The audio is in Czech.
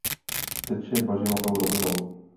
Teče bažinatou rovinou.